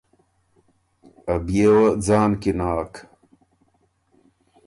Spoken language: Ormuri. ا بيې وه ځان کی ناک۔